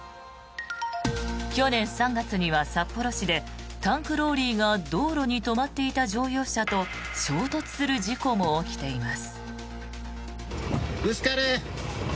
去年３月には札幌市でタンクローリーが道路に止まっていた乗用車と衝突する事故も起きています。